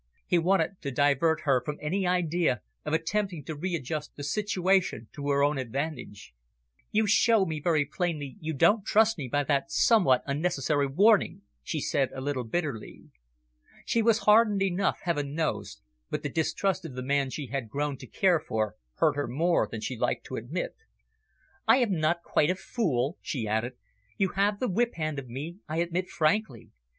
He wanted to divert her from any idea of attempting to readjust the situation to her own advantage. "You show me very plainly you don't trust me, by that somewhat unnecessary warning," she said a little bitterly. She was hardened enough, heaven knows, but the distrust of the man she had grown to care for hurt her more than she liked to admit. "I am not quite a fool," she added. "You have the whip hand of me, I admit frankly.